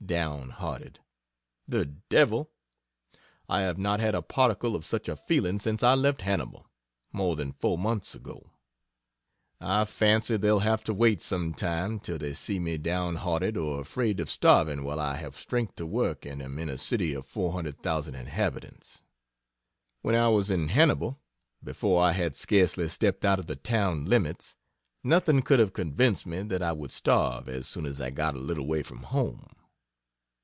"Down hearted," the devil! I have not had a particle of such a feeling since I left Hannibal, more than four months ago. I fancy they'll have to wait some time till they see me down hearted or afraid of starving while I have strength to work and am in a city of 400,000 inhabitants. When I was in Hannibal, before I had scarcely stepped out of the town limits, nothing could have convinced me that I would starve as soon as I got a little way from home....